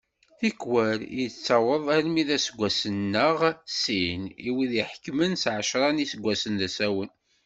Tikwal yettaweḍ almi d aseggas neɣ sin i wid iḥekmen s ɛecra n yiseggasen d asawen.